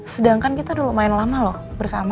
sedangkan kita udah lumayan lama loh bersama